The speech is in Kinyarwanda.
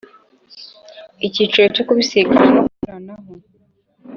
Icyiciro cyo Kubisikana no kunyuranaho